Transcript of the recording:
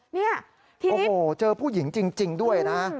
นี่ทีนี้โอ้โฮเจอผู้หญิงจริงด้วยนะ